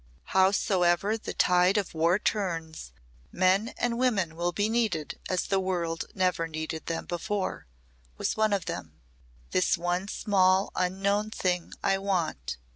"Howsoever the tide of war turns, men and women will be needed as the world never needed them before," was one of them. "This one small unknown thing I want.